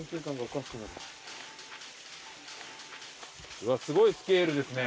うわすごいスケールですね